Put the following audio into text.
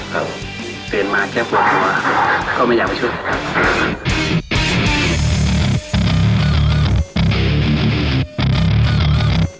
เตรียมมาแค่ฟวงตัวก็ไม่อยากมาช่วย